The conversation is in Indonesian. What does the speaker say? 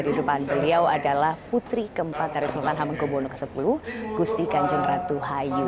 di depan beliau adalah putri keempat dari sultan hamengkubwono x gusti kanjeng ratu hayu